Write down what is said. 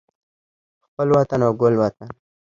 خپل وطن او ګل وطن